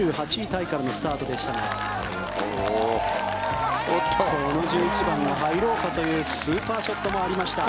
タイからのスタートでしたがこの１１番、入ろうかというスーパーショットもありました。